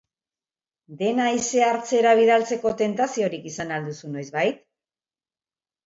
Dena haizea hartzera bidaltzeko tentaziorik izan al duzu noizbait?